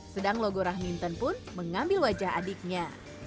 sedang logo rahminton pun mengambil wajah adiknya